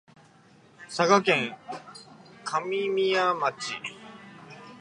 佐賀県上峰町